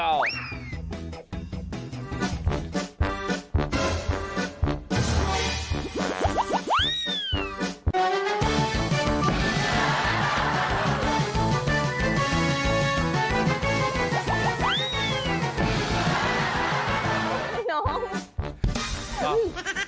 เฮ้ยน้อง